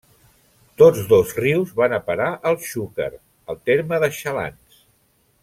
Tots dos rius van a parar al Xúquer al terme de Xalans.